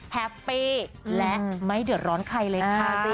แฮปปี้และไม่เดือดร้อนใครเลยค่ะ